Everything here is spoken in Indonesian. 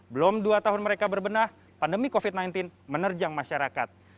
belum dua tahun mereka berbenah pandemi covid sembilan belas menerjang masyarakat